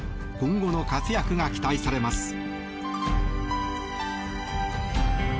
今後の活躍が期待されます。